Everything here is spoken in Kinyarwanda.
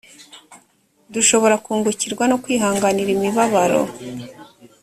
dushobora kungukirwa no kwihanganira imibabaro